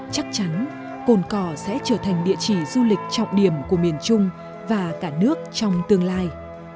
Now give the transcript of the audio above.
chắc chắn cồn cỏ sẽ trở thành địa chỉ du lịch trọng điểm của miền trung và cả nước trong tương lai